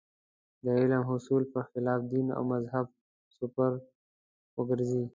د علم د حصول پر خلاف دین او مذهب سپر وګرځي.